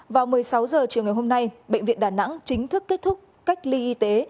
vào một mươi sáu h chiều ngày hôm nay bệnh viện đà nẵng chính thức kết thúc cách ly y tế